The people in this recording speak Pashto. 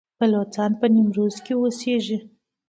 بلوڅان په نیمروز کې اوسیږي؟